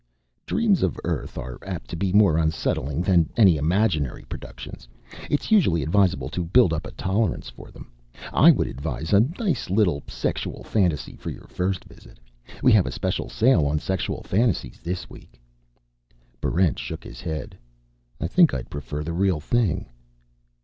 "Dreams of Earth are apt to be more unsettling than any imaginary productions. It's usually advisable to build up a tolerance for them. I would advise a nice little sexual fantasy for your first visit. We have a special sale on sexual fantasies this week." Barrent shook his head. "I think I'd prefer the real thing."